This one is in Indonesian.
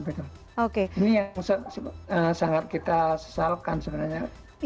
ini yang sangat kita sesalkan sebenarnya